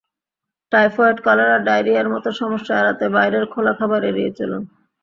Typhoid, cholera, ডায়রিয়ার মতো সমস্যা এড়াতে বাইরের খোলা খাবার এড়িয়ে চলুন।